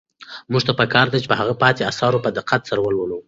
موږ ته په کار ده چې د هغه پاتې اثار په دقت سره ولولو.